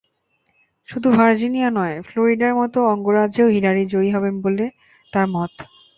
শুধু ভার্জিনিয়া নয়, ফ্লোরিডার মতো অঙ্গরাজ্যেও হিলারি জয়ী হবেন বলে তাঁর মত।